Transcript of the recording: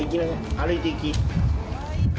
歩いて行き。